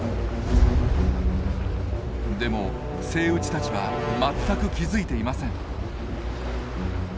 でもセイウチたちは全く気付いていません。